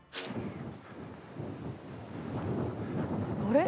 あれ？